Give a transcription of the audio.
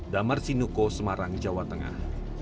damar sinuko semarang jawa tengah